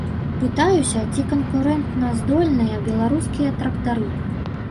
Пытаюся, ці канкурэнтаздольныя беларускія трактары.